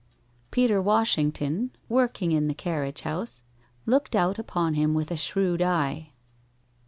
Peter Washington, working in the carriage house, looked out upon him with a shrewd eye.